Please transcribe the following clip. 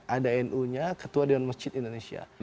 ada nu nya ketua dewan masjid indonesia